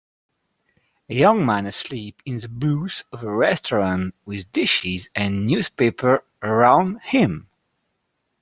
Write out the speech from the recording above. young man asleep in the booth of a restaurant with dishes and newspaper around him.